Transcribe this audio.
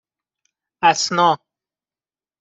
اَسنا